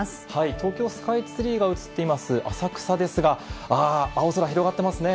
東京スカイツリーが映っています浅草ですが、青空が広がっていますね。